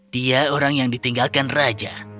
dia orang yang ditinggalkan raja